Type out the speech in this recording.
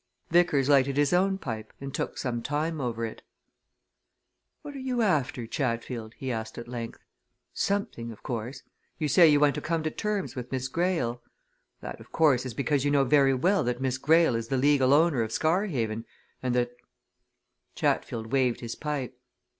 Vickers lighted his own pipe, and took some time over it. "What are you after, Chatfield?" he asked at length. "Something, of course. You say you want to come to terms with Miss Greyle. That, of course, is because you know very well that Miss Greyle is the legal owner of Scarhaven, and that " Chatfield waved his pipe.